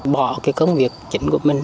bỏ cái công việc chính của mình